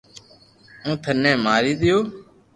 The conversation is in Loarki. ھون ٿني ماري دآيو